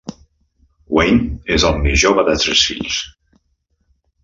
Wayne és el més jove de tres fills.